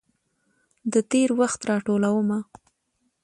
د تیروخت راټولومه